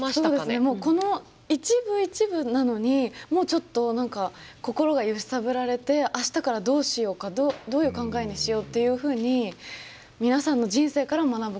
もうこの一部一部なのにもうちょっと心が揺さぶられて明日からどうしようかどういう考えにしようっていうふうに皆さんの人生から学ぶことができましたね。